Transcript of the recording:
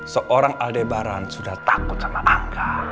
seorang aldebaran sudah takut sama angga